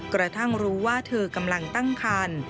กระทั่งรู้ว่าเธอกำลังตั้งคัน